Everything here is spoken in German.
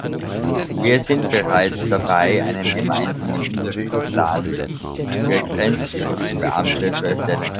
Wir sind bereits dabei, einen gemeinsamen Unterrichtsplan für Grenzschutzbeamte zu erstellen.